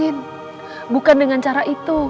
itu bukan cara